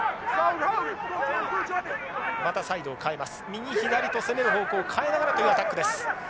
右左と攻める方向を変えながらというアタックです。